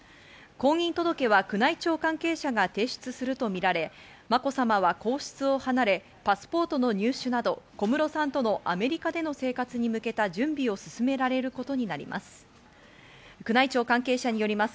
婚姻届は宮内庁関係者が提出するとみられ、まこさまは皇室を離れ、パスポートの入手など小室さんとのアメリカでの生活に向けた準備を進められることになります。